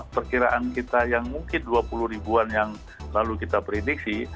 perkiraan kita yang mungkin dua puluh ribuan yang lalu kita prediksi